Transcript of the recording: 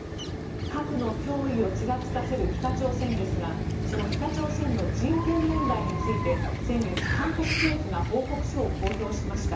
核の脅威をちらつかせる北朝鮮ですがその北朝鮮の人権問題について先月、韓国政府が報告書を公表しました。